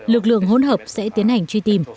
lực lượng hôn hợp sẽ tiến hành truy tìm